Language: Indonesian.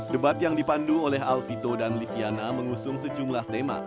debat yang dipandu oleh alvito dan liviana mengusung sejumlah tema